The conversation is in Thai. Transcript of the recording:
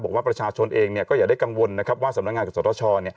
บอกว่าประชาชนเองก็อย่าได้กังวลนะครับว่าสำนักงานกับสตช